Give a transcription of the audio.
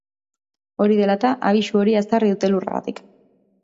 Hori dela eta, abisu horia ezarri dute elurragatik.